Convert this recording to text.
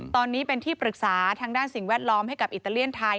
ตอนนี้เป็นที่ปรึกษาทางด้านสิ่งแวดล้อมให้กับอิตาเลียนไทย